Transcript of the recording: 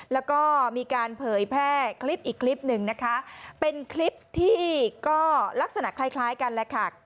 แล้วก็มีการเผยแพร่คลิปอีกคลิปหนึ่งนะคะเป็นคลิปที่ก็ลักษณะคล้ายคล้ายกันแหละค่ะ